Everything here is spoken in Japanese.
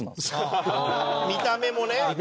見た目もね。